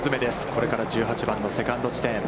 これから１８番のセカンド地点。